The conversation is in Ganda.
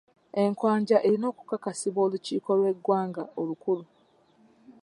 Enkwajja erina okukakasibwa olukiiko lw'eggwanga olukulu.